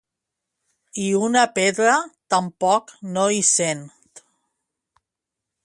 I una pedra tampoc no hi sent.